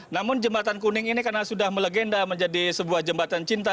namun jembatan kuning ini karena sudah melegenda menjadi sebuah jembatan cinta